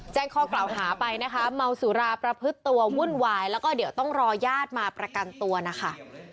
แจ้งข้อกล่าวหาไปนะคะเมาสุราประพฤติตัววุ่นวายแล้วก็เดี๋ยวต้องรอญาติมาประกันตัวนะคะ